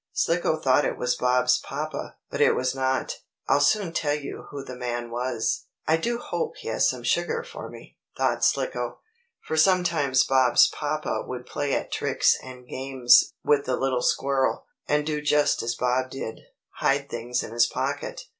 Slicko thought it was Bob's papa, but it was not. I'll soon tell you who the man was. "I do hope he has some sugar for me," thought Slicko, for sometimes Bob's papa would play at tricks and games with the little squirrel, and do just as Bob did hide things in his pocket.